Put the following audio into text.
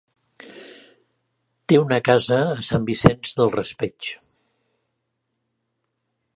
Té una casa a Sant Vicent del Raspeig.